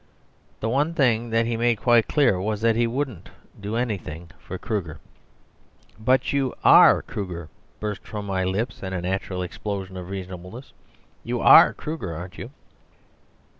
The one thing that he made quite clear was that he wouldn't do anything for Kruger. "But you ARE Kruger," burst from my lips, in a natural explosion of reasonableness. "You ARE Kruger, aren't you?"